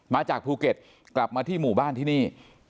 มาจากภูเก็ตกลับมาที่หมู่บ้านที่นี่